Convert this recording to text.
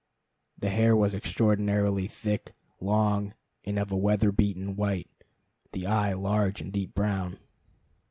The hair was extraordinarily thick, long, and of a weather beaten white; the eye large and deep brown.